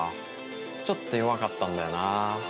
ちょっと弱かったんだよな。